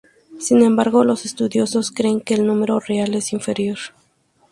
Sin embargo los estudiosos creen que el número real es muy inferior.